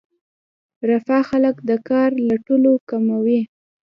رفاه خلک د کار لټولو کموي.